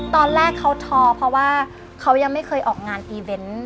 ตอนแรกเขาทอเพราะว่าเขายังไม่เคยออกงานอีเวนต์